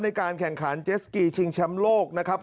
ในการแข่งขันเจสกีชิงแชมป์โลกนะครับ